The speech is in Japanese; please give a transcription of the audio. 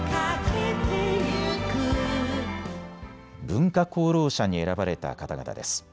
文化功労者に選ばれた方々です。